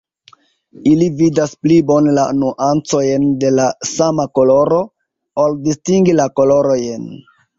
Ili vidas pli bone la nuancojn de la sama koloro, ol distingi la kolorojn.